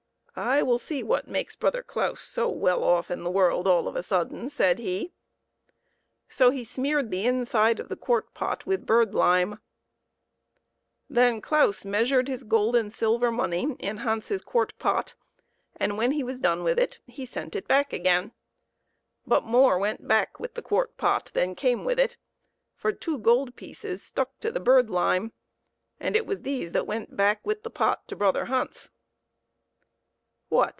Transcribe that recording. " I will see what makes brother Claus so well off in the world all of a sudden," said he ; so he smeared the inside of the quart pot with bird lime. CLAUS AND HIS WONDERFUL STAFF. 21 Then Claus measured his gold and silver money in Hans's quart pot, and when he was done with it he sent it back again. But more went back with the quart pot than came with it, for two gold pieces stuck to the bird lime, and it was these that went back with the pot to brother Hans. " What